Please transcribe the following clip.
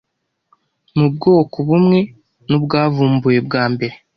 mu bwoko bumwe n'ubwavumbuwe bwa mbere